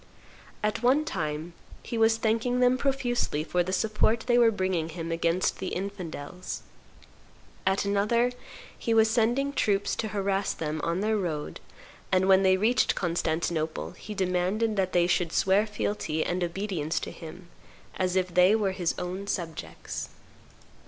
At one time he was thanking them profusely for the support they were bringing him against the infidels; at another he was sending troops to harass them on their road, and, when they reached Constantinople, he demanded that they should swear fealty and obedience to him, as if they were his own subjects.